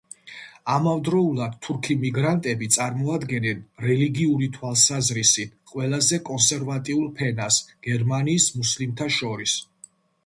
ამავდროულად თურქი მიგრანტები წარმოადგენენ რელიგიური თვალსაზრისით ყველაზე კონსერვატიულ ფენას გერმანიის მუსლიმთა შორის.